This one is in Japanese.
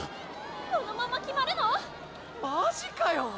このまま決まるの⁉マジかよ！